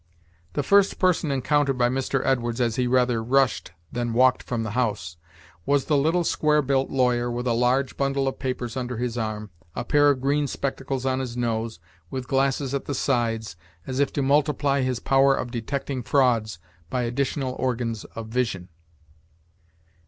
The first person encountered by Mr. Edwards, as he rather rushed than walked from the house, was the little square built lawyer, with a large bundle of papers under his arm, a pair of green spectacles on his nose, with glasses at the sides, as if to multiply his power of detecting frauds by additional organs of vision.